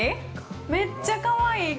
めっちゃかわいい。